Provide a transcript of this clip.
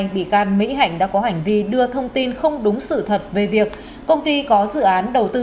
bị can mỹ hạnh đã có hành vi đưa thông tin không đúng sự thật về việc công ty có dự án đầu tư